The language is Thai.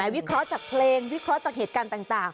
วิเคราะห์จากเพลงวิเคราะห์จากเหตุการณ์ต่าง